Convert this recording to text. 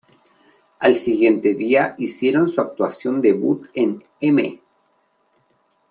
Al siguiente día hicieron su actuación debut en "M!